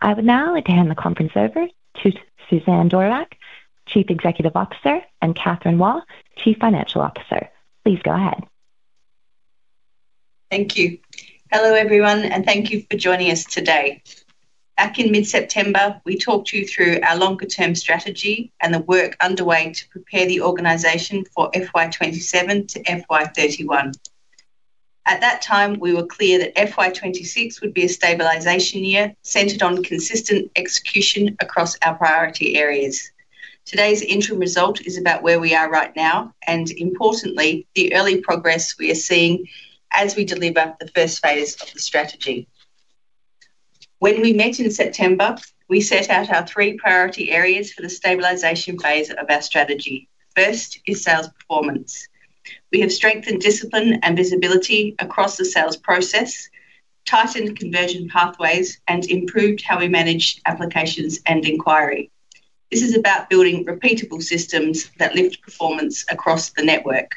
I would now like to hand the conference over to Suzanne Dvorak, Chief Executive Officer, and Kathryn Waugh, Chief Financial Officer. Please go ahead. Thank you. Hello, everyone, and thank you for joining us today. Back in mid-September, we talked you through our longer-term strategy and the work underway to prepare the organization for FY 2027 to FY 2031. At that time, we were clear that FY 2026 would be a stabilization year centered on consistent execution across our priority areas. Today's interim result is about where we are right now and, importantly, the early progress we are seeing as we deliver the first phase of the strategy. When we met in September, we set out our three priority areas for the stabilization phase of our strategy. First is sales performance. We have strengthened discipline and visibility across the sales process, tightened conversion pathways, and improved how we manage applications and inquiry. This is about building repeatable systems that lift performance across the network.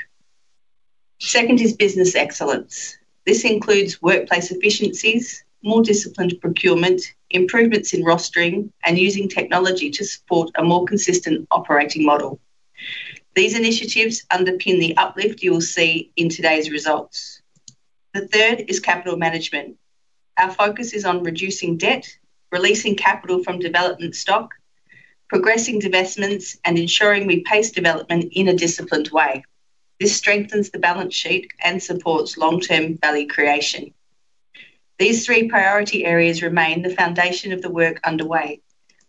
Second is business excellence. This includes workplace efficiencies, more disciplined procurement, improvements in rostering, and using technology to support a more consistent operating model. These initiatives underpin the uplift you will see in today's results. The third is capital management. Our focus is on reducing debt, releasing capital from development stock, progressing divestments, and ensuring we pace development in a disciplined way. This strengthens the balance sheet and supports long-term value creation. These three priority areas remain the foundation of the work underway.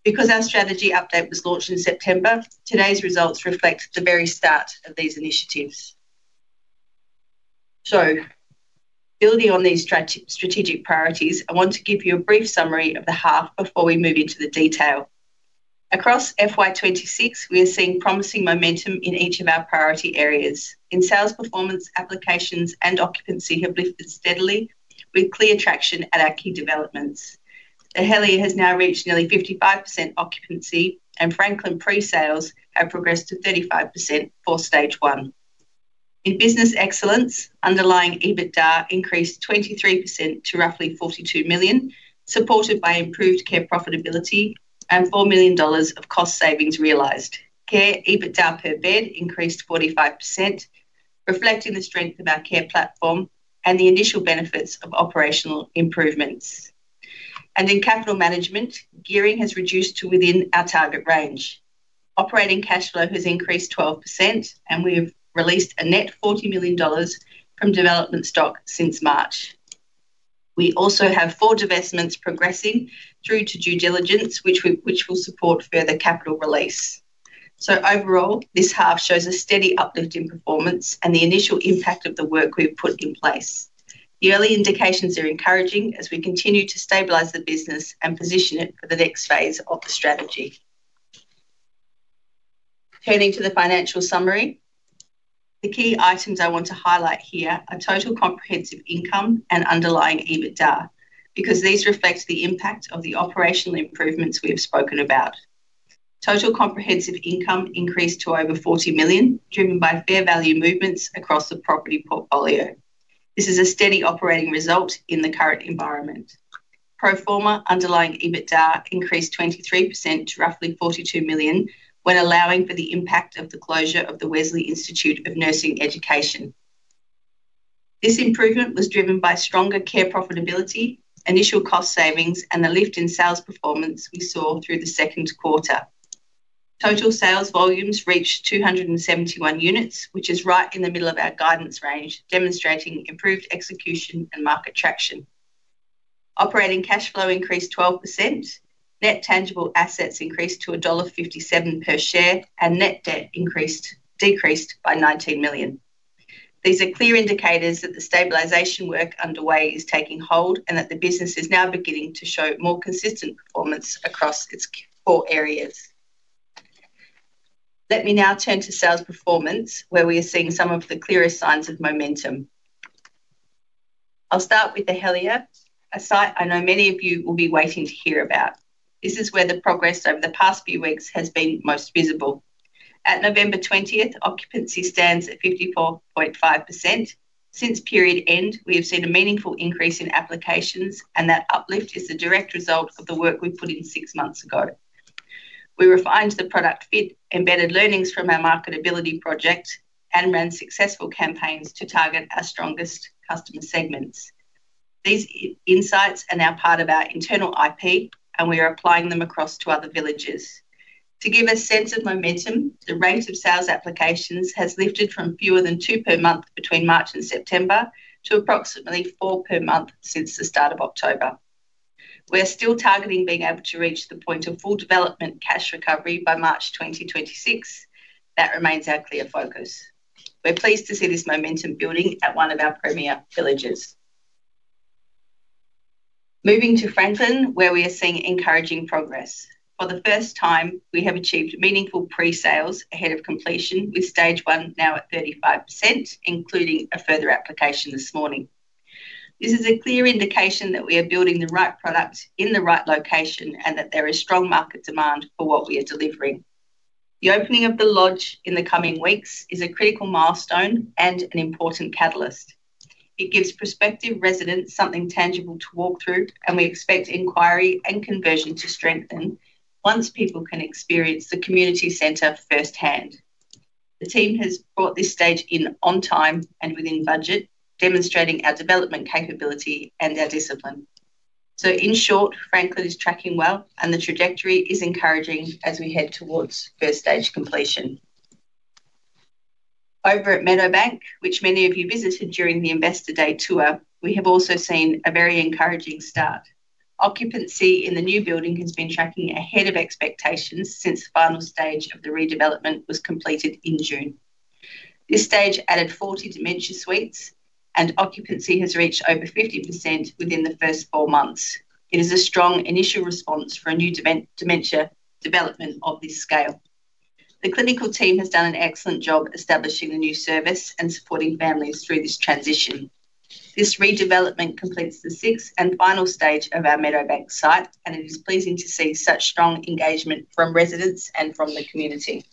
Because our strategy update was launched in September, today's results reflect the very start of these initiatives. Building on these strategic priorities, I want to give you a brief summary of the half before we move into the detail. Across FY 2026, we are seeing promising momentum in each of our priority areas. In sales performance, applications, and occupancy have lifted steadily, with clear traction at our key developments. The Helia has now reached nearly 55% occupancy, and Franklin pre-sales have progressed to 35% for stage one. In business excellence, underlying EBITDA increased 23% to roughly $42 million, supported by improved care profitability and $4 million of cost savings realized. Care EBITDA per bed increased 45%, reflecting the strength of our care platform and the initial benefits of operational improvements. In capital management, gearing has reduced to within our target range. Operating cash flow has increased 12%, and we have released a net $40 million from development stock since March. We also have four divestments progressing through to due diligence, which will support further capital release. Overall, this half shows a steady uplift in performance and the initial impact of the work we've put in place. The early indications are encouraging as we continue to stabilize the business and position it for the next phase of the strategy. Turning to the financial summary, the key items I want to highlight here are total comprehensive income and underlying EBITDA, because these reflect the impact of the operational improvements we have spoken about. Total comprehensive income increased to over $40 million, driven by fair value movements across the property portfolio. This is a steady operating result in the current environment. Pro forma underlying EBITDA increased 23% to roughly $42 million when allowing for the impact of the closure of the Wesley Institute of Nursing Education. This improvement was driven by stronger care profitability, initial cost savings, and the lift in sales performance we saw through the second quarter. Total sales volumes reached 271 units, which is right in the middle of our guidance range, demonstrating improved execution and market traction. Operating cash flow increased 12%, net tangible assets increased to $1.57 per share, and net debt decreased by $19 million. These are clear indicators that the stabilization work underway is taking hold and that the business is now beginning to show more consistent performance across its core areas. Let me now turn to sales performance, where we are seeing some of the clearest signs of momentum. I'll start with the Helia, a site I know many of you will be waiting to hear about. This is where the progress over the past few weeks has been most visible. At November 20th, occupancy stands at 54.5%. Since period end, we have seen a meaningful increase in applications, and that uplift is the direct result of the work we put in six months ago. We refined the product fit, embedded learnings from our marketability project, and ran successful campaigns to target our strongest customer segments. These insights are now part of our internal IP, and we are applying them across to other villages. To give a sense of momentum, the rate of sales applications has lifted from fewer than two per month between March and September to approximately four per month since the start of October. We're still targeting being able to reach the point of full development cash recovery by March 2026. That remains our clear focus. We're pleased to see this momentum building at one of our premier villages. Moving to Franklin, where we are seeing encouraging progress. For the first time, we have achieved meaningful pre-sales ahead of completion, with Stage One now at 35%, including a further application this morning. This is a clear indication that we are building the right product in the right location and that there is strong market demand for what we are delivering. The opening of the lodge in the coming weeks is a critical milestone and an important catalyst. It gives prospective residents something tangible to walk through, and we expect inquiry and conversion to strengthen once people can experience the community center firsthand. The team has brought this stage in on time and within budget, demonstrating our development capability and our discipline. Franklin is tracking well, and the trajectory is encouraging as we head towards first stage completion. Over at Meadowbank, which many of you visited during the Investor Day tour, we have also seen a very encouraging start. Occupancy in the new building has been tracking ahead of expectations since the final stage of the redevelopment was completed in June. This stage added 40 dementia suites, and occupancy has reached over 50% within the first four months. It is a strong initial response for a new dementia development of this scale. The clinical team has done an excellent job establishing the new service and supporting families through this transition. This redevelopment completes the sixth and final stage of our Meadowbank site, and it is pleasing to see such strong engagement from residents and from the community.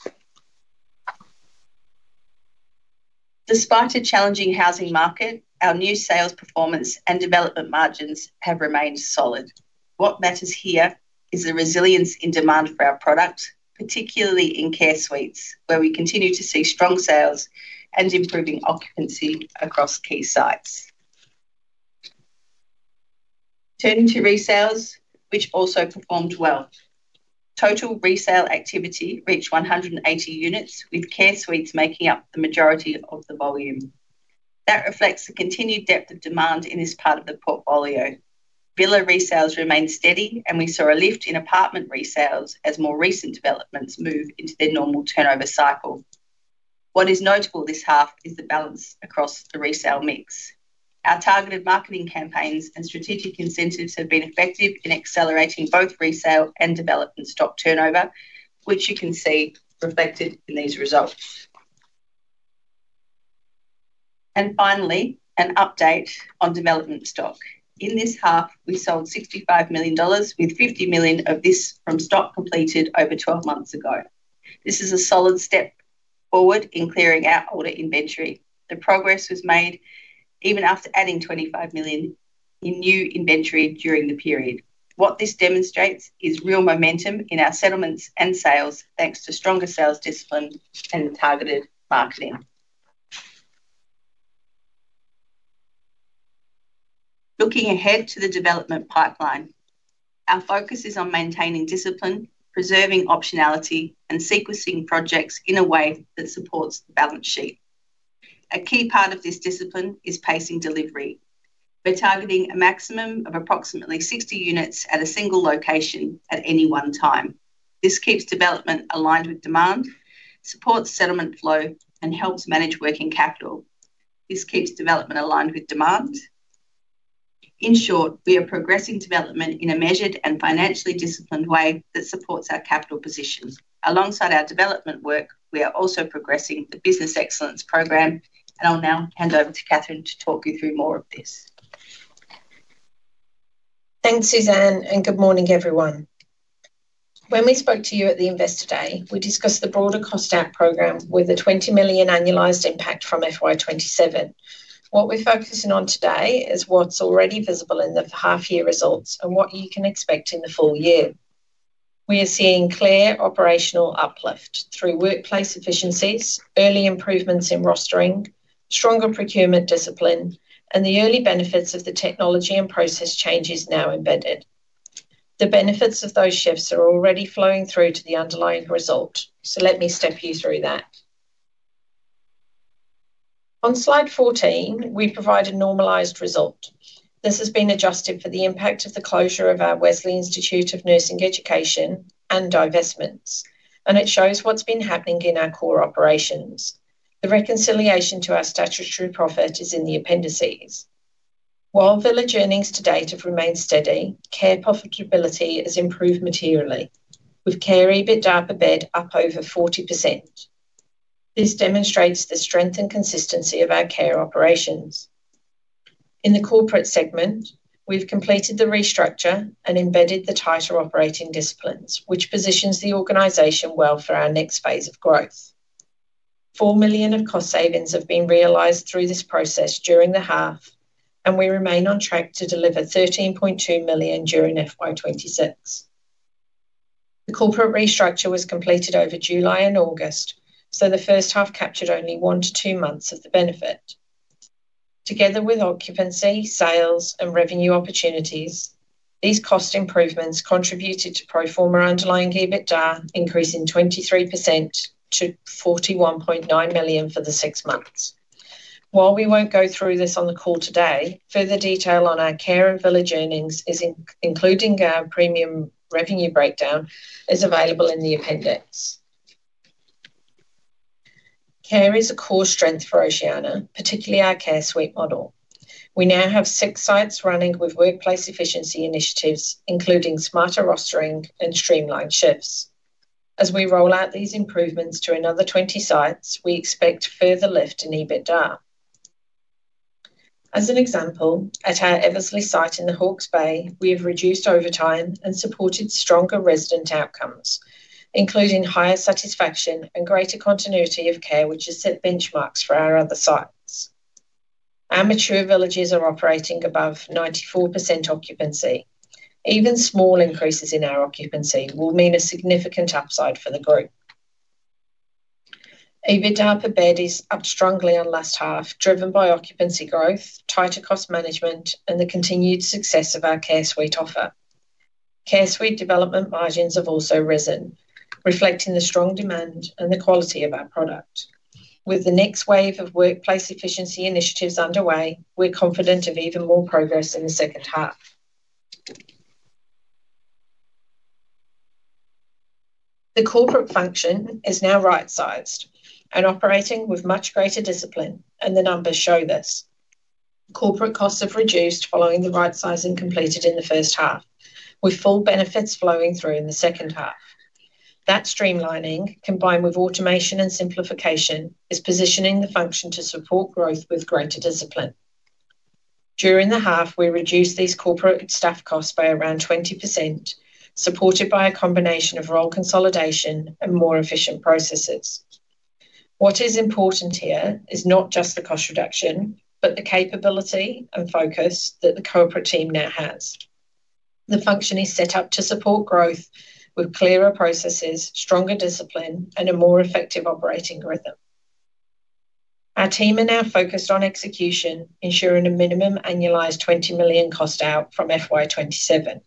Despite a challenging housing market, our new sales performance and development margins have remained solid. What matters here is the resilience in demand for our product, particularly in care suites, where we continue to see strong sales and improving occupancy across key sites. Turning to resales, which also performed well. Total resale activity reached 180 units, with care suites making up the majority of the volume. That reflects the continued depth of demand in this part of the portfolio. Villa resales remained steady, and we saw a lift in apartment resales as more recent developments move into their normal turnover cycle. What is notable this half is the balance across the resale mix. Our targeted marketing campaigns and strategic incentives have been effective in accelerating both resale and development stock turnover, which you can see reflected in these results. Finally, an update on development stock. In this half, we sold $65 million, with $50 million of this from stock completed over 12 months ago. This is a solid step forward in clearing our older inventory. The progress was made even after adding $25 million in new inventory during the period. What this demonstrates is real momentum in our settlements and sales, thanks to stronger sales discipline and targeted marketing. Looking ahead to the development pipeline, our focus is on maintaining discipline, preserving optionality, and sequencing projects in a way that supports the balance sheet. A key part of this discipline is pacing delivery. We're targeting a maximum of approximately 60 units at a single location at any one time. This keeps development aligned with demand, supports settlement flow, and helps manage working capital. This keeps development aligned with demand. In short, we are progressing development in a measured and financially disciplined way that supports our capital position. Alongside our development work, we are also progressing the business excellence program, and I'll now hand over to Kathryn to talk you through more of this. Thanks, Suzanne, and good morning, everyone. When we spoke to you at the Investor Day, we discussed the broader cost out program with a $20 million annualized impact from FY 2027. What we're focusing on today is what's already visible in the half-year results and what you can expect in the full year. We are seeing clear operational uplift through workplace efficiencies, early improvements in rostering, stronger procurement discipline, and the early benefits of the technology and process changes now embedded. The benefits of those shifts are already flowing through to the underlying result, so let me step you through that. On slide 14, we provide a normalized result. This has been adjusted for the impact of the closure of our Wesley Institute of Nursing Education and divestments, and it shows what's been happening in our core operations. The reconciliation to our statutory profit is in the appendices. While village earnings to date have remained steady, care profitability has improved materially, with care EBITDA per bed up over 40%. This demonstrates the strength and consistency of our care operations. In the corporate segment, we've completed the restructure and embedded the tighter operating disciplines, which positions the organization well for our next phase of growth. $4 million of cost savings have been realized through this process during the half, and we remain on track to deliver $13.2 million during FY 2026. The corporate restructure was completed over July and August, so the first half captured only one to two months of the benefit. Together with occupancy, sales, and revenue opportunities, these cost improvements contributed to pro forma underlying EBITDA increasing 23% to $41.9 million for the six months. While we won't go through this on the call today, further detail on our care and village earnings, including our premium revenue breakdown, is available in the appendix. Care is a core strength for Oceania Healthcare, particularly our care suite model. We now have six sites running with workplace efficiency initiatives, including smarter rostering and streamlined shifts. As we roll out these improvements to another 20 sites, we expect further lift in EBITDA. As an example, at our Eversley site in the Hawkes Bay, we have reduced overtime and supported stronger resident outcomes, including higher satisfaction and greater continuity of care, which has set benchmarks for our other sites. Our mature villages are operating above 94% occupancy. Even small increases in our occupancy will mean a significant upside for the group. EBITDA per bed is up strongly on last half, driven by occupancy growth, tighter cost management, and the continued success of our care suite offer. Care suite development margins have also risen, reflecting the strong demand and the quality of our product. With the next wave of workplace efficiency initiatives underway, we're confident of even more progress in the second half. The corporate function is now right-sized and operating with much greater discipline, and the numbers show this. Corporate costs have reduced following the right-sizing completed in the first half, with full benefits flowing through in the second half. That streamlining, combined with automation and simplification, is positioning the function to support growth with greater discipline. During the half, we reduced these corporate staff costs by around 20%, supported by a combination of role consolidation and more efficient processes. What is important here is not just the cost reduction, but the capability and focus that the corporate team now has. The function is set up to support growth with clearer processes, stronger discipline, and a more effective operating rhythm. Our team are now focused on execution, ensuring a minimum annualized $20 million cost out from FY 2027.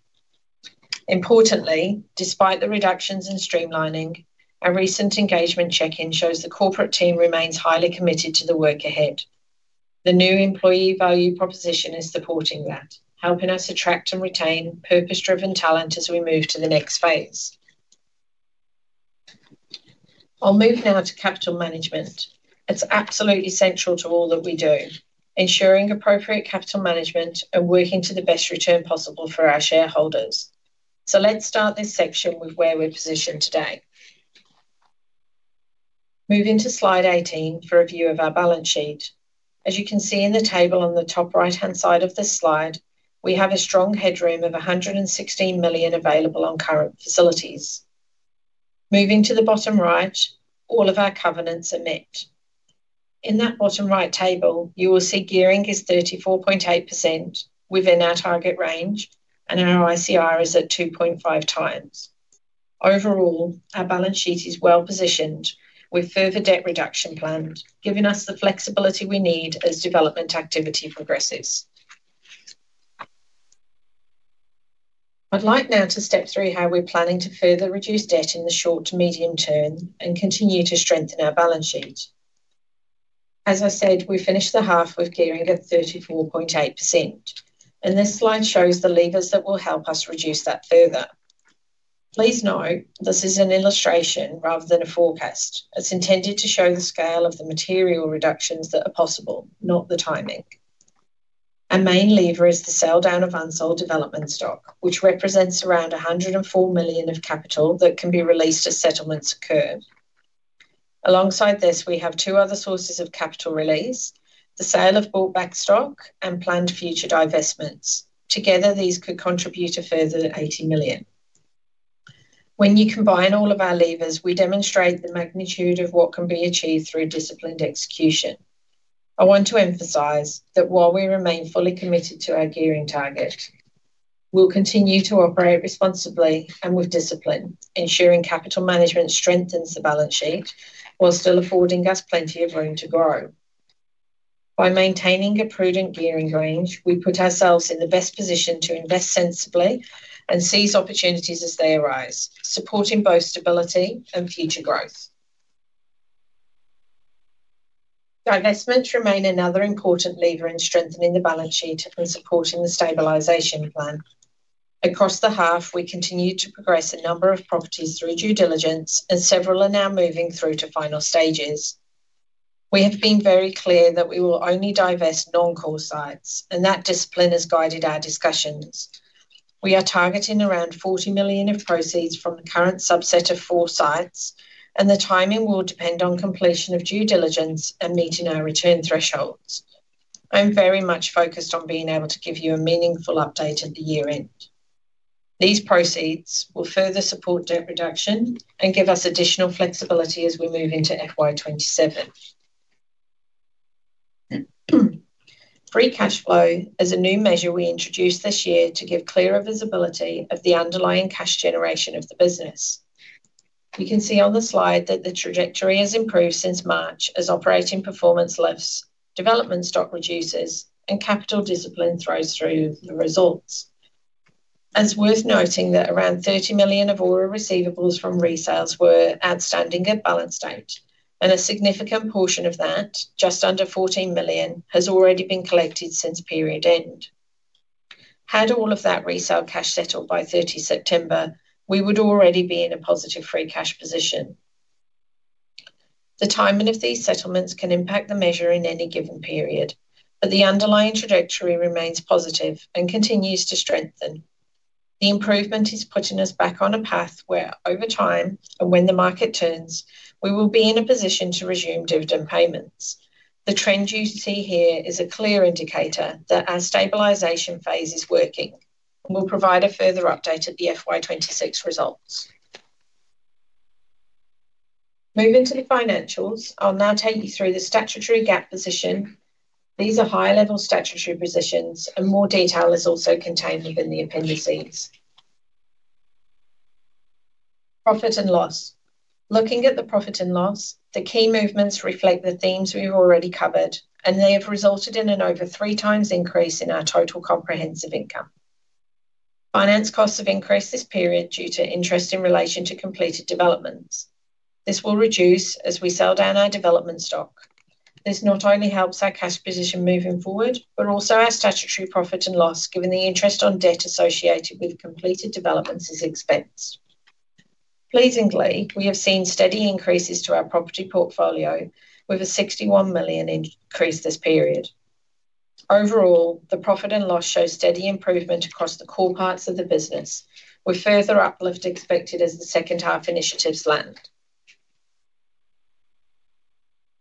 Importantly, despite the reductions in streamlining, our recent engagement check-in shows the corporate team remains highly committed to the work ahead. The new employee value proposition is supporting that, helping us attract and retain purpose-driven talent as we move to the next phase. I'll move now to capital management. It is absolutely central to all that we do, ensuring appropriate capital management and working to the best return possible for our shareholders. Let's start this section with where we're positioned today. Moving to slide 18 for a view of our balance sheet. As you can see in the table on the top right-hand side of this slide, we have a strong headroom of $116 million available on current facilities. Moving to the bottom right, all of our covenants are met. In that bottom right table, you will see gearing is 34.8% within our target range, and our ICR is at 2.5 times. Overall, our balance sheet is well positioned with further debt reduction planned, giving us the flexibility we need as development activity progresses. I'd like now to step through how we're planning to further reduce debt in the short to medium term and continue to strengthen our balance sheet. As I said, we finished the half with gearing at 34.8%, and this slide shows the levers that will help us reduce that further. Please note, this is an illustration rather than a forecast. It's intended to show the scale of the material reductions that are possible, not the timing. Our main lever is the sell down of unsold development stock, which represents around $104 million of capital that can be released as settlements occur. Alongside this, we have two other sources of capital release: the sale of bought-back stock and planned future divestments. Together, these could contribute to a further $80 million. When you combine all of our levers, we demonstrate the magnitude of what can be achieved through disciplined execution. I want to emphasize that while we remain fully committed to our gearing target, we'll continue to operate responsibly and with discipline, ensuring capital management strengthens the balance sheet while still affording us plenty of room to grow. By maintaining a prudent gearing range, we put ourselves in the best position to invest sensibly and seize opportunities as they arise, supporting both stability and future growth. Divestments remain another important lever in strengthening the balance sheet and supporting the stabilization plan. Across the half, we continue to progress a number of properties through due diligence, and several are now moving through to final stages. We have been very clear that we will only divest non-core sites, and that discipline has guided our discussions. We are targeting around $40 million of proceeds from the current subset of four sites, and the timing will depend on completion of due diligence and meeting our return thresholds. I'm very much focused on being able to give you a meaningful update at the year-end. These proceeds will further support debt reduction and give us additional flexibility as we move into FY 2027. Free cash flow is a new measure we introduced this year to give clearer visibility of the underlying cash generation of the business. You can see on the slide that the trajectory has improved since March, as operating performance lifts, development stock reduces, and capital discipline flows through the results. It's worth noting that around $30 million of AURA receivables from resales were outstanding at balance date, and a significant portion of that, just under $14 million, has already been collected since period end. Had all of that resale cash settled by 30 September, we would already be in a positive free cash position. The timing of these settlements can impact the measure in any given period, but the underlying trajectory remains positive and continues to strengthen. The improvement is putting us back on a path where, over time and when the market turns, we will be in a position to resume dividend payments. The trend you see here is a clear indicator that our stabilization phase is working, and we will provide a further update at the FY 2026 results. Moving to the financials, I will now take you through the statutory GAAP position. These are high-level statutory positions, and more detail is also contained within the appendices. Profit and loss. Looking at the profit and loss, the key movements reflect the themes we have already covered, and they have resulted in an over three times increase in our total comprehensive income. Finance costs have increased this period due to interest in relation to completed developments. This will reduce as we sell down our development stock. This not only helps our cash position moving forward, but also our statutory profit and loss, given the interest on debt associated with completed developments is expense. Pleasingly, we have seen steady increases to our property portfolio, with a $61 million increase this period. Overall, the profit and loss shows steady improvement across the core parts of the business, with further uplift expected as the second half initiatives land.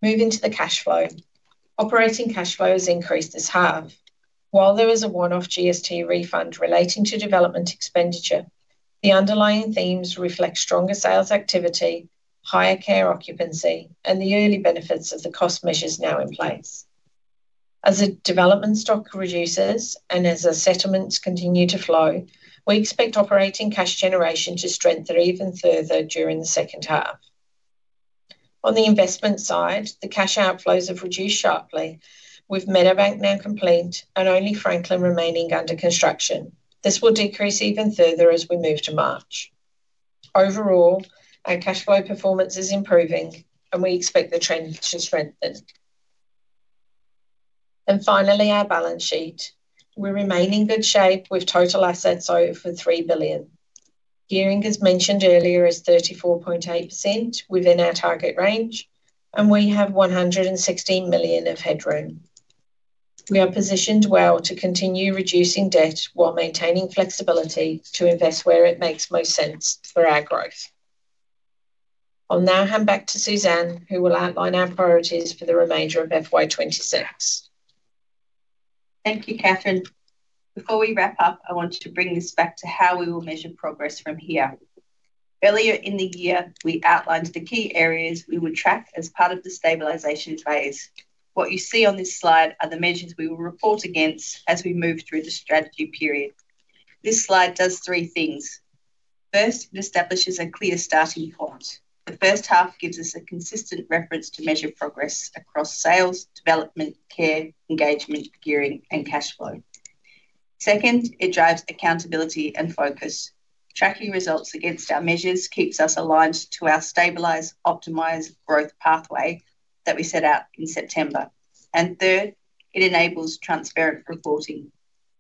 Moving to the cash flow. Operating cash flow has increased this half. While there is a one-off GST refund relating to development expenditure, the underlying themes reflect stronger sales activity, higher care occupancy, and the early benefits of the cost measures now in place. As development stock reduces and as our settlements continue to flow, we expect operating cash generation to strengthen even further during the second half. On the investment side, the cash outflows have reduced sharply, with Medibank now complete and only Franklin remaining under construction. This will decrease even further as we move to March. Overall, our cash flow performance is improving, and we expect the trend to strengthen. Finally, our balance sheet. We're remaining in good shape with total assets over $3 billion. Gearing, as mentioned earlier, is 34.8% within our target range, and we have $116 million of headroom. We are positioned well to continue reducing debt while maintaining flexibility to invest where it makes most sense for our growth. I'll now hand back to Suzanne, who will outline our priorities for the remainder of FY 2026. Thank you, Kathryn. Before we wrap up, I want to bring this back to how we will measure progress from here. Earlier in the year, we outlined the key areas we would track as part of the stabilization phase. What you see on this slide are the measures we will report against as we move through the strategy period. This slide does three things. First, it establishes a clear starting point. The first half gives us a consistent reference to measure progress across sales, development, care, engagement, gearing, and cash flow. Second, it drives accountability and focus. Tracking results against our measures keeps us aligned to our stabilized, optimized growth pathway that we set out in September. Third, it enables transparent reporting.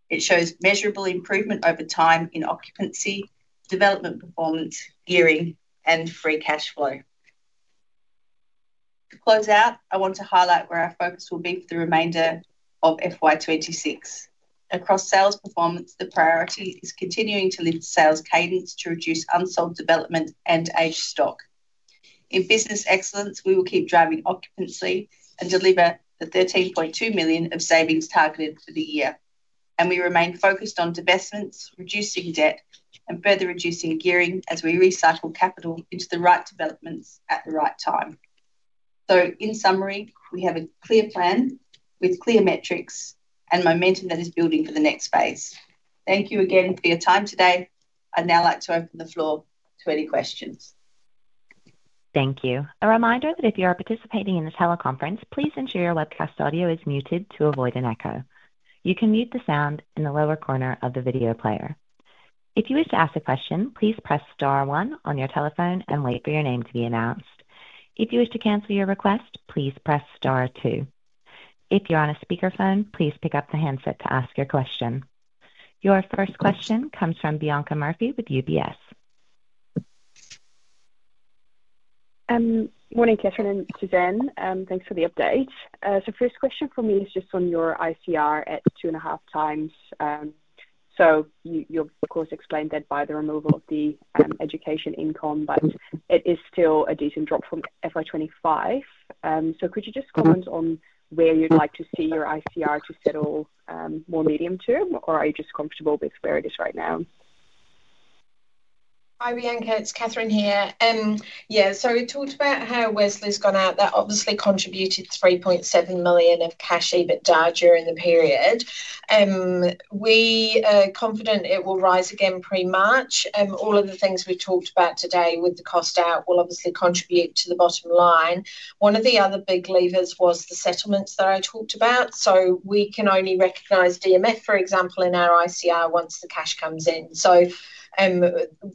It shows measurable improvement over time in occupancy, development performance, gearing, and free cash flow. To close out, I want to highlight where our focus will be for the remainder of FY 2026. Across sales performance, the priority is continuing to lift sales cadence to reduce unsold development and aged stock. In business excellence, we will keep driving occupancy and deliver the $13.2 million of savings targeted for the year. We remain focused on divestments, reducing debt, and further reducing gearing as we recycle capital into the right developments at the right time. In summary, we have a clear plan with clear metrics and momentum that is building for the next phase. Thank you again for your time today. I'd now like to open the floor to any questions. Thank you. A reminder that if you are participating in the teleconference, please ensure your webcast audio is muted to avoid an echo. You can mute the sound in the lower corner of the video player. If you wish to ask a question, please press Star one on your telephone and wait for your name to be announced. If you wish to cancel your request, please press Star two. If you're on a speakerphone, please pick up the handset to ask your question. Your first question comes from Bianca Murphy with UBS. Morning, Kathryn and Suzanne. Thanks for the update. First question for me is just on your ICR at two and a half times. You've of course explained that by the removal of the education income, but it is still a decent drop from FY 2025. Could you just comment on where you'd like to see your ICR to settle more medium term, or are you just comfortable with where it is right now? Hi, Bianca. It's Kathryn here. Yeah, we talked about how Wesley's gone out. That obviously contributed $3.7 million of cash even down during the period. We are confident it will rise again pre-March. All of the things we've talked about today with the cost out will obviously contribute to the bottom line. One of the other big levers was the settlements that I talked about. We can only recognize DMF, for example, in our ICR once the cash comes in.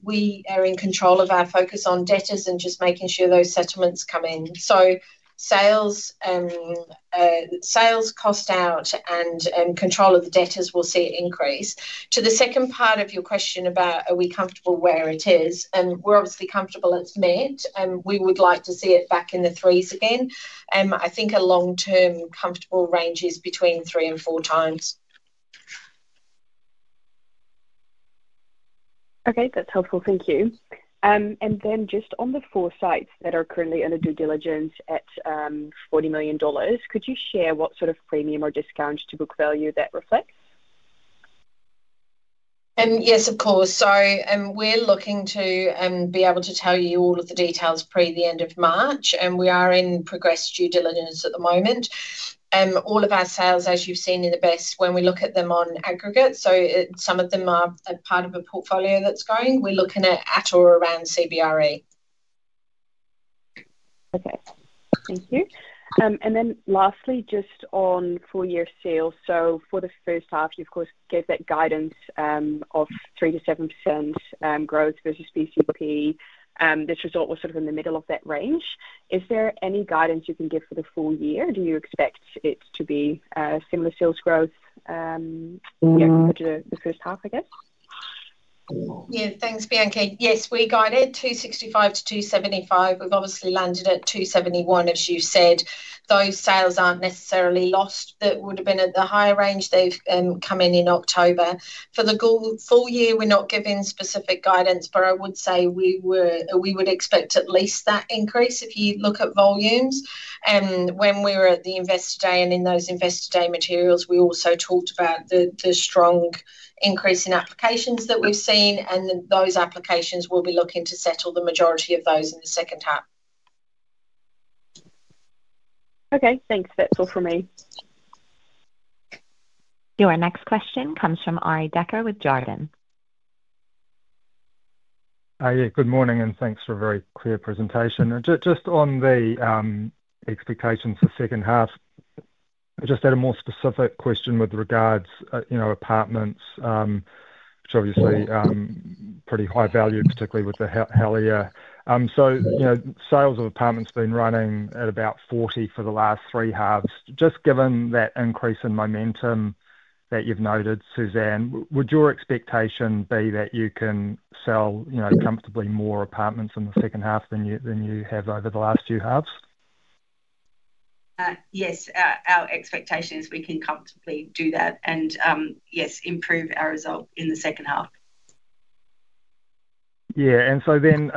We are in control of our focus on debtors and just making sure those settlements come in. Sales cost out and control of the debtors will see it increase. To the second part of your question about are we comfortable where it is, we're obviously comfortable it's met. We would like to see it back in the threes again. I think a long-term comfortable range is between three and four times. Okay, that's helpful. Thank you. Then just on the four sites that are currently under due diligence at $40 million, could you share what sort of premium or discount to book value that reflects? Yes, of course. We're looking to be able to tell you all of the details pre the end of March, and we are in progress due diligence at the moment. All of our sales, as you've seen in the past, when we look at them on aggregate, some of them are part of a portfolio that's growing, we're looking at at or around CBRE. Okay, thank you. Lastly, just on full year sales. For the first half, you of course gave that guidance of 3-7% growth versus BCP. This result was sort of in the middle of that range. Is there any guidance you can give for the full year? Do you expect it to be similar sales growth compared to the first half, I guess? Yeah, thanks, Bianca. Yes, we guided 265-275. We've obviously landed at 271, as you said. Those sales aren't necessarily lost that would have been at the higher range. They've come in in October. For the full year, we're not giving specific guidance, but I would say we would expect at least that increase if you look at volumes. When we were at the investor day and in those investor day materials, we also talked about the strong increase in applications that we've seen, and those applications will be looking to settle the majority of those in the second half. Okay, thanks. That's all for me. Your next question comes from Arie Dekker with Jarden. Good morning, and thanks for a very clear presentation. Just on the expectations for the second half, I just had a more specific question with regards to apartments, which are obviously pretty high value, particularly with the Helia. Sales of apartments have been running at about 40 for the last three halves. Just given that increase in momentum that you've noted, Suzanne, would your expectation be that you can sell comfortably more apartments in the second half than you have over the last two halves? Yes, our expectation is we can comfortably do that and, yes, improve our result in the second half. Yeah, and so then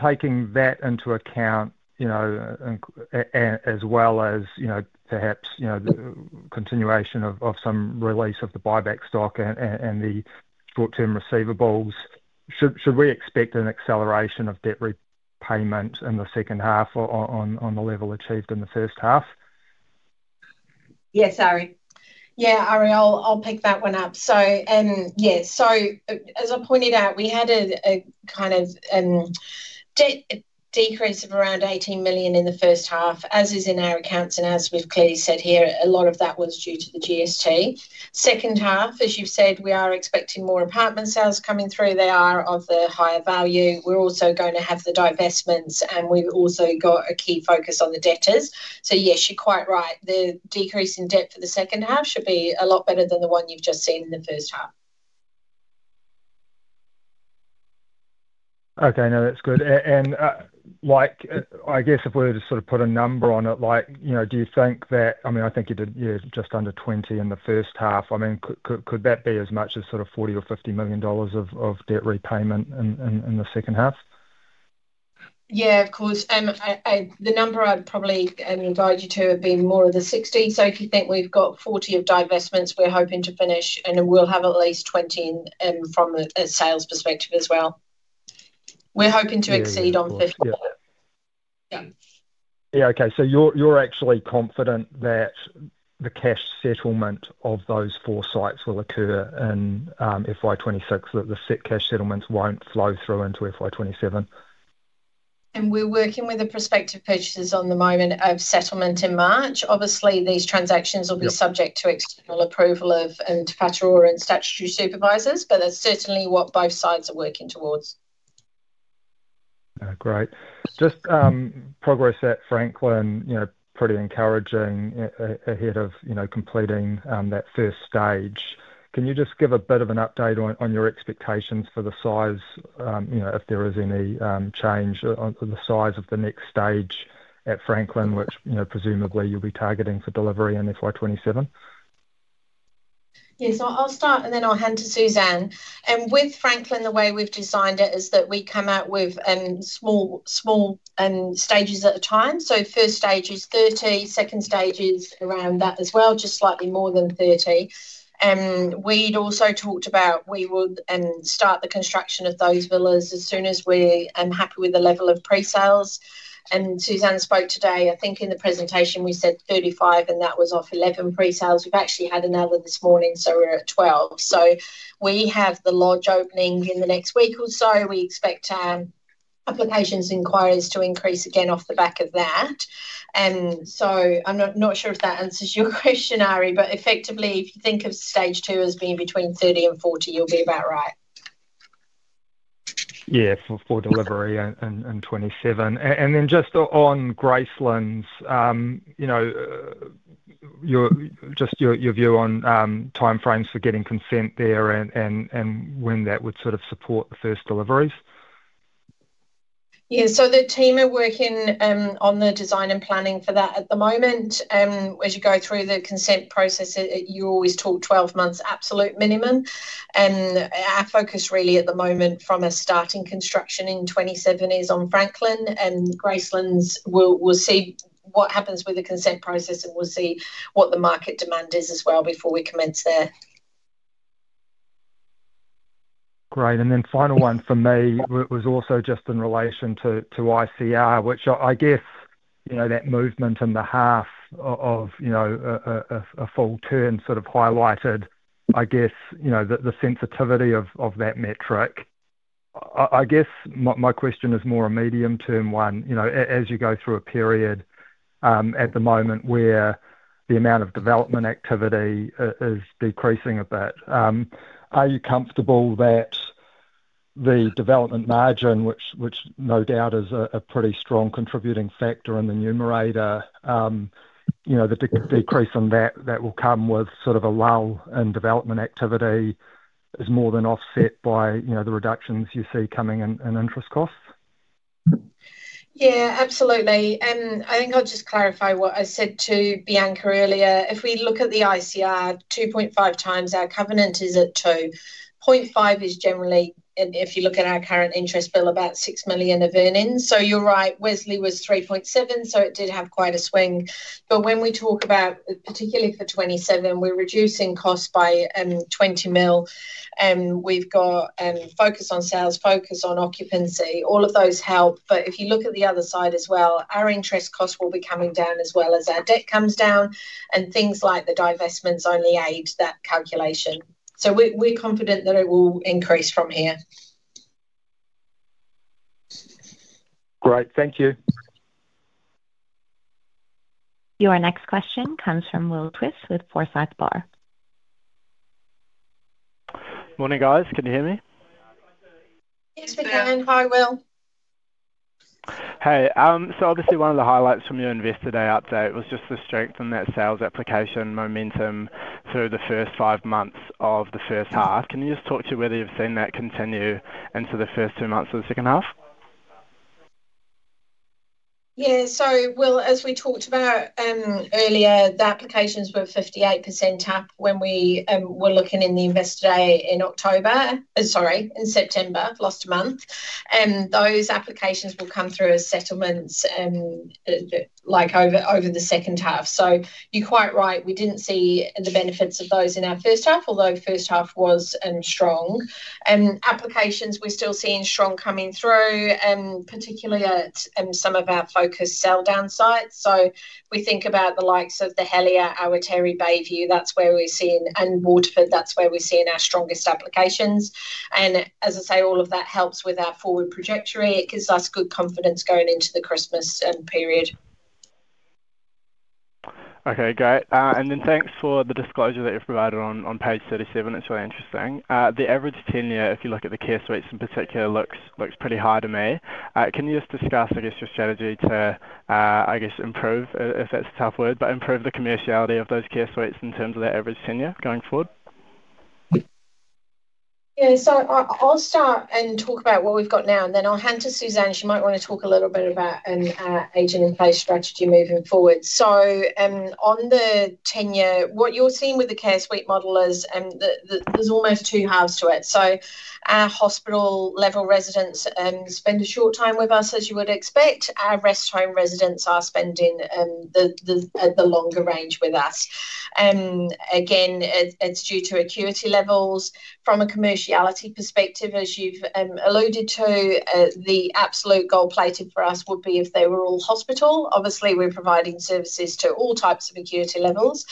taking that into account as well as perhaps the continuation of some release of the buyback stock and the short-term receivables, should we expect an acceleration of debt repayment in the second half on the level achieved in the first half? Yes, Ari. Yeah, Ari, I'll pick that one up. Yeah, as I pointed out, we had a kind of decrease of around $18 million in the first half, as is in our accounts, and as we've clearly said here, a lot of that was due to the GST. Second half, as you've said, we are expecting more apartment sales coming through. They are of the higher value. We're also going to have the divestments, and we've also got a key focus on the debtors. Yes, you're quite right. The decrease in debt for the second half should be a lot better than the one you've just seen in the first half. Okay, that's good. I guess if we were to sort of put a number on it, do you think that, I mean, I think you did just under $20 million in the first half. I mean, could that be as much as sort of $40 million or $50 million of debt repayment in the second half? Yeah, of course. The number I'd probably guide you to have been more of the $60 million. If you think we've got $40 million of divestments we're hoping to finish, and we'll have at least $20 million from a sales perspective as well. We're hoping to exceed on $50 million. Yeah, okay. You're actually confident that the cash settlement of those four sites will occur in FY 2026, that the cash settlements won't flow through into FY 2027? We're working with the prospective purchasers on the moment of settlement in March. Obviously, these transactions will be subject to external approval of Tupatara and statutory supervisors, but that's certainly what both sides are working towards. Great. Just progress at Franklin, pretty encouraging ahead of completing that first stage. Can you just give a bit of an update on your expectations for the size, if there is any change, the size of the next stage at Franklin, which presumably you'll be targeting for delivery in FY 2027? Yes, I'll start, then I'll hand to Suzanne. With Franklin, the way we've designed it is that we come out with small stages at a time. First stage is 30, second stage is around that as well, just slightly more than 30. We'd also talked about we would start the construction of those villas as soon as we're happy with the level of pre-sales. Suzanne spoke today. I think in the presentation we said 35, and that was off 11 pre-sales. We've actually had another this morning, so we're at 12. We have the lodge opening in the next week or so. We expect applications and inquiries to increase again off the back of that. I'm not sure if that answers your question, Ari, but effectively, if you think of stage two as being between 30 and 40, you'll be about right. For delivery in 2027. Just on Gracelands, just your view on timeframes for getting consent there and when that would sort of support the first deliveries? The team are working on the design and planning for that at the moment. As you go through the consent process, you always talk 12 months absolute minimum. Our focus really at the moment from a starting construction in 2027 is on Franklin, and Gracelands will see what happens with the consent process and we'll see what the market demand is as well before we commence there. Great. The final one for me was also just in relation to ICR, which I guess that movement in the half of a full turn sort of highlighted, I guess, the sensitivity of that metric. I guess my question is more a medium-term one as you go through a period at the moment where the amount of development activity is decreasing a bit. Are you comfortable that the development margin, which no doubt is a pretty strong contributing factor in the numerator, the decrease in that that will come with sort of a lull in development activity is more than offset by the reductions you see coming in interest costs? Yeah, absolutely. I think I'll just clarify what I said to Bianca earlier. If we look at the ICR, 2.5 times, our covenant is at 2.5, is generally, if you look at our current interest bill, about $6 million of earnings. You're right. Wesley was 3.7, so it did have quite a swing. When we talk about, particularly for 2027, we're reducing costs by $20 million, and we've got focus on sales, focus on occupancy. All of those help. If you look at the other side as well, our interest costs will be coming down as well as our debt comes down, and things like the divestments only aid that calculation. We're confident that it will increase from here. Great. Thank you. Your next question comes from Will Twiss with Forsyth Barr. Morning, guys. Can you hear me? Yes, we can. Hi, Will. Hey. Obviously, one of the highlights from your investor day update was just the strength in that sales application momentum through the first five months of the first half. Can you just talk to whether you've seen that continue into the first two months of the second half? Yeah. Will, as we talked about earlier, the applications were 58% up when we were looking in the investor day in October, sorry, in September, last month. Those applications will come through as settlements over the second half. You're quite right. We didn't see the benefits of those in our first half, although first half was strong. Applications, we're still seeing strong coming through, particularly at some of our focus sell-down sites. We think about the likes of the Helia, Owairaka, Bayview. That's where we're seeing, and Waterford, that's where we're seeing our strongest applications. As I say, all of that helps with our forward trajectory. It gives us good confidence going into the Christmas period. Okay, great. Thanks for the disclosure that you've provided on page 37. It's really interesting. The average tenure, if you look at the care suites in particular, looks pretty high to me. Can you just discuss, I guess, your strategy to, I guess, improve, if that's a tough word, but improve the commerciality of those care suites in terms of their average tenure going forward? Yeah. I'll start and talk about what we've got now, and then I'll hand to Suzanne. She might want to talk a little bit about an agent-in-place strategy moving forward. On the tenure, what you're seeing with the care suite model is there's almost two halves to it. Our hospital-level residents spend a short time with us, as you would expect. Our rest home residents are spending the longer range with us. Again, it's due to acuity levels. From a commerciality perspective, as you've alluded to, the absolute gold plated for us would be if they were all hospital. Obviously, we're providing services to all types of acuity levels,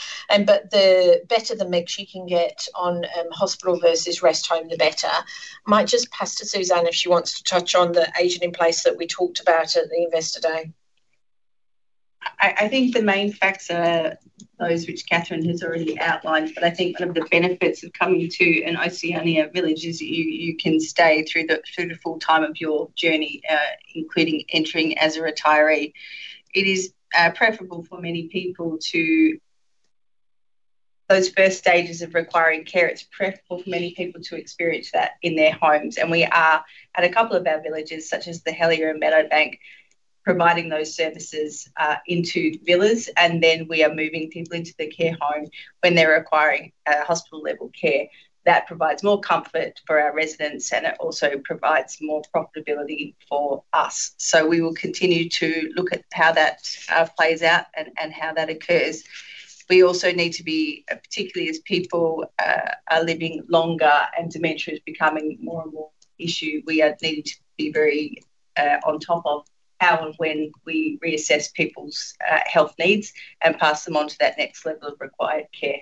but the better the mix you can get on hospital versus rest home, the better. Might ju]st pass to Suzanne if she wants to touch on the agent-in-place that we talked about at the investor day. I think the main factor, those which Kathryn has already outlined, but I think one of the benefits of coming to an Oceania Village is you can stay through the full time of your journey, including entering as a retiree. It is preferable for many people to those first stages of requiring care. It's preferable for many people to experience that in their homes. We are at a couple of our villages, such as Helia and Barrow Bank, providing those services into villas, and we are moving people into the care home when they're requiring hospital-level care. That provides more comfort for our residents, and it also provides more profitability for us. We will continue to look at how that plays out and how that occurs. We also need to be, particularly as people are living longer and dementia is becoming more and more an issue, we are needing to be very on top of how and when we reassess people's health needs and pass them on to that next level of required care.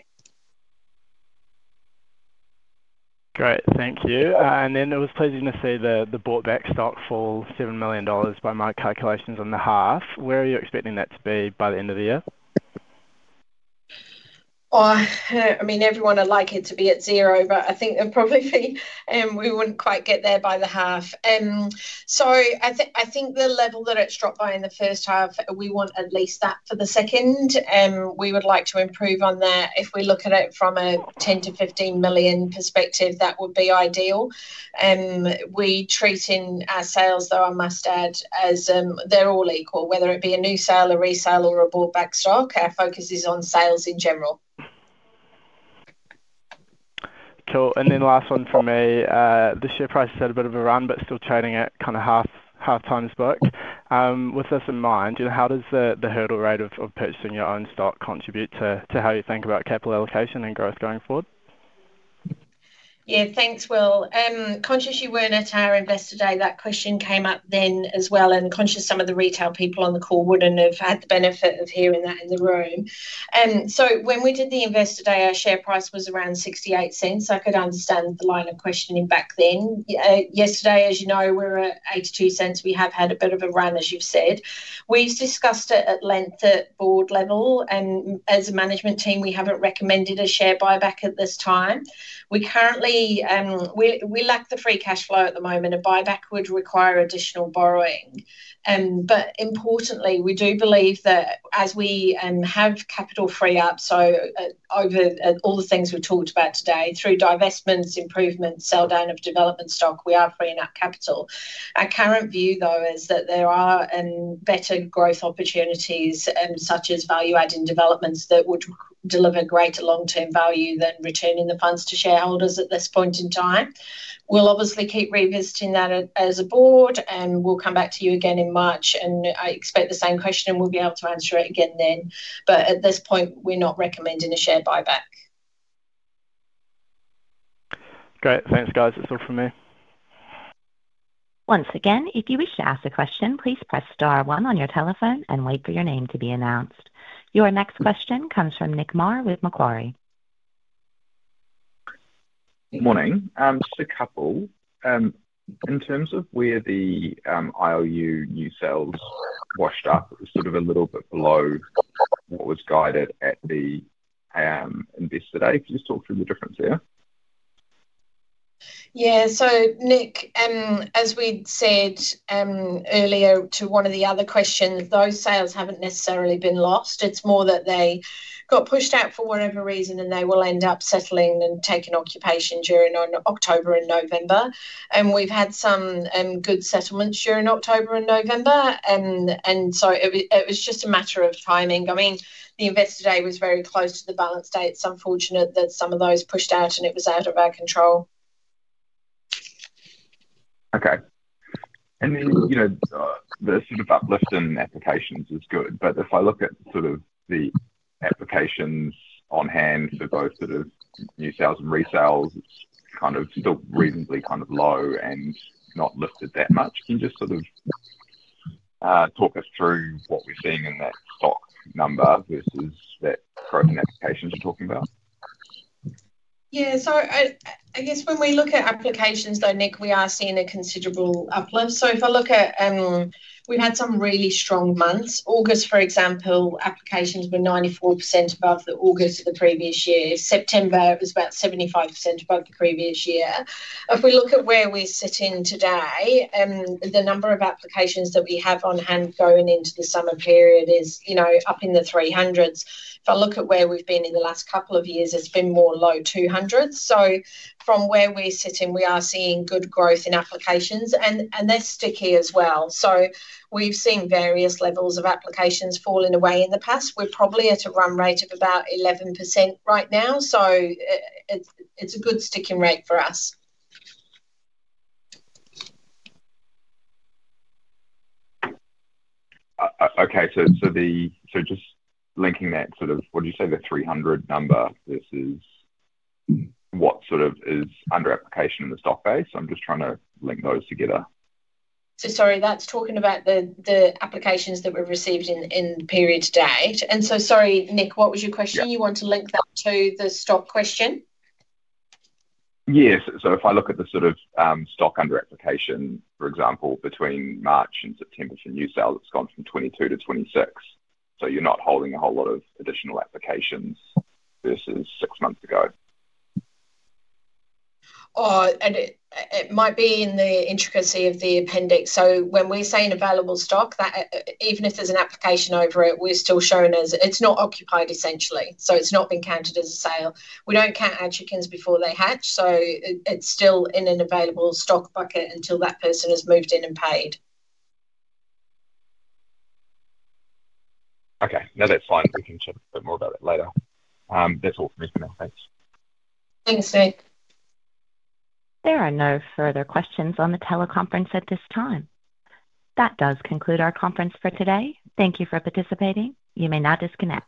Great. Thank you. It was pleasing to see the bought-back stock fall $7 million by my calculations on the half. Where are you expecting that to be by the end of the year? I mean, everyone would like it to be at zero, but I think it would probably be we would not quite get there by the half. I think the level that it has dropped by in the first half, we want at least that for the second. We would like to improve on that. If we look at it from a $10 million-$15 million perspective, that would be ideal. We are treating our sales, though, I must add, as they are all equal, whether it be a new sale, a resale, or a bought-back stock. Our focus is on sales in general. Cool. Last one for me. The share price is at a bit of a run, but still trading at kind of half-times book. With this in mind, how does the hurdle rate of purchasing your own stock contribute to how you think about capital allocation and growth going forward? Yeah, thanks, Will. Conscious you were not at our investor day, that question came up then as well, and conscious some of the retail people on the call would not have had the benefit of hearing that in the room. When we did the investor day, our share price was around $0.68. I could understand the line of questioning back then. Yesterday, as you know, we are at $0.82. We have had a bit of a run, as you have said. We have discussed it at length at board level, and as a management team, we have not recommended a share buyback at this time. We lack the free cash flow at the moment, and buyback would require additional borrowing. Importantly, we do believe that as we have capital free up, over all the things we've talked about today, through divestments, improvements, sell-down of development stock, we are freeing up capital. Our current view, though, is that there are better growth opportunities, such as value-adding developments that would deliver greater long-term value than returning the funds to shareholders at this point in time. We'll obviously keep revisiting that as a board, and we'll come back to you again in March, and I expect the same question, and we'll be able to answer it again then. At this point, we're not recommending a share buyback. Great. Thanks, guys. That's all from me. Once again, if you wish to ask a question, please press star one on your telephone and wait for your name to be announced. Your next question comes from Nick Maugh with Macquarie. Morning. Just a couple. In terms of where the IOU new sales washed up, it was sort of a little bit below what was guided at the investor day. Could you just talk through the difference there? Yeah. Nick, as we'd said earlier to one of the other questions, those sales haven't necessarily been lost. It's more that they got pushed out for whatever reason, and they will end up settling and taking occupation during October and November. We have had some good settlements during October and November. It was just a matter of timing. I mean, the investor day was very close to the balance day. It's unfortunate that some of those pushed out, and it was out of our control. Okay. The sort of uplift in applications is good, but if I look at sort of the applications on hand for both sort of new sales and resales, it's kind of still reasonably kind of low and not lifted that much. Can you just sort of talk us through what we're seeing in that stock number versus that growth in applications you're talking about? Yeah. I guess when we look at applications, though, Nick, we are seeing a considerable uplift. If I look at we've had some really strong months. August, for example, applications were 94% above the August of the previous year. September, it was about 75% above the previous year. If we look at where we're sitting today, the number of applications that we have on hand going into the summer period is up in the 300s. If I look at where we've been in the last couple of years, it's been more low 200s. From where we're sitting, we are seeing good growth in applications, and they're sticky as well. We've seen various levels of applications falling away in the past. We're probably at a run rate of about 11% right now. It's a good sticking rate for us. Okay. Just linking that sort of, would you say the 300 number versus what sort of is under application in the stock base? I'm just trying to link those together. Sorry, that's talking about the applications that we've received in period today. Sorry, Nick, what was your question? You want to link that to the stock question? Yes. If I look at the sort of stock under application, for example, between March and September for new sales, it has gone from 22 to 26. You are not holding a whole lot of additional applications versus six months ago. It might be in the intricacy of the appendix. When we are saying available stock, even if there is an application over it, we are still showing as it is not occupied, essentially. It has not been counted as a sale. We do not count our chickens before they hatch. It is still in an available stock bucket until that person has moved in and paid. Okay. No, that is fine. We can chat a bit more about it later. That is all from me for now. Thanks. Thanks, Nick. There are no further questions on the teleconference at this time. That does conclude our conference for today. Thank you for participating. You may now disconnect.